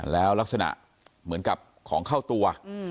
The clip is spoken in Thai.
แล้วลักษณะเหมือนกับของเข้าตัว